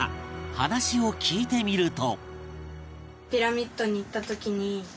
話を聞いてみると